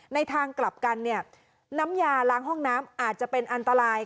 ในทางกลับกันเนี่ยน้ำยาล้างห้องน้ำอาจจะเป็นอันตราย